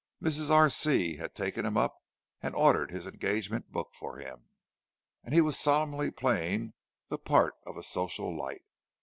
"Mrs. R. C." had taken him up, and ordered his engagement book for him, and he was solemnly playing the part of a social light.